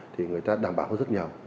thì người ta đảm bảo rất nhiều